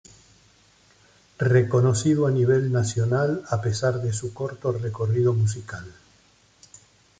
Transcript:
Reconocido a nivel nacional a pesar de su corto recorrido musical.